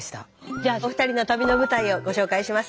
じゃあお二人の旅の舞台をご紹介します。